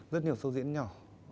rất nhiều show diễn nhỏ